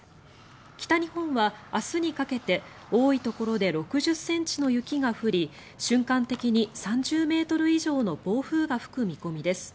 北日本は明日にかけて多いところで６０ｃｍの雪が降り瞬間的に３０ｍ以上の暴風が吹く見込みです。